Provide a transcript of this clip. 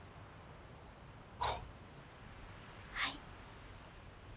はい。